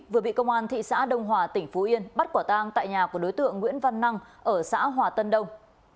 vừa bị công an thị xã đông hòa tỉnh phú yên bắt quả tang tại nhà của đối tượng nguyễn văn năng ở xã hòa tân đông